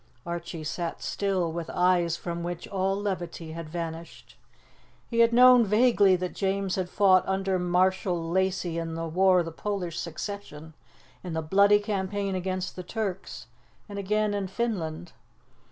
Archie sat still, with eyes from which all levity had vanished. He had known vaguely that James had fought under Marshal Lacy in the War of the Polish Succession, in the bloody campaign against the Turks, and again in Finland.